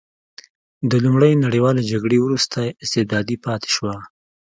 د لومړۍ نړیوالې جګړې وروسته استبدادي پاتې شوه.